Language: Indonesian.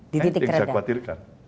di titik terendah